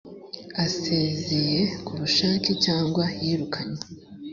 asezeye kubushake cyangwa yirukanywe